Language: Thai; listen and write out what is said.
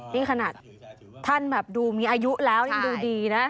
นี่ขนาดท่านแบบดูมีอายุแล้วยังดูดีนะ